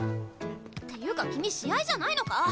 っていうか君試合じゃないのか？